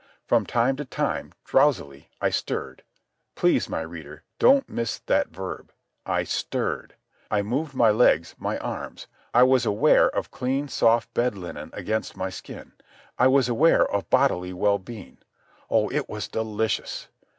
From time to time, drowsily, I stirred—please, my reader, don't miss that verb—I STIRRED. I moved my legs, my arms. I was aware of clean, soft bed linen against my skin. I was aware of bodily well being. Oh, it was delicious!